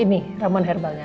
ini ramuan herbanya